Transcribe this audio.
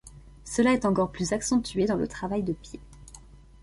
Cela est encore plus accentué dans le travail de pieds.